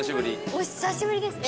お久しぶりですね。